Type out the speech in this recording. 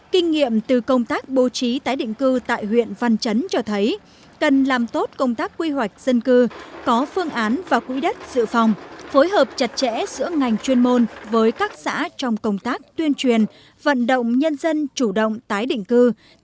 kinh nghiệm từ công tác bố trí tái định cư tại huyện văn chấn cho thấy cần làm tốt công tác quy hoạch dân cư có phương án và quỹ đất dự phòng phối hợp chặt chẽ giữa ngành chuyên môn với các xã trong công tác tuyên truyền vận động nhân dân chủ động tái định cư